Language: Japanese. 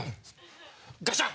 ガシャン！